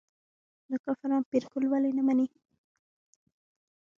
دا کافران پیرګل ولې نه مني.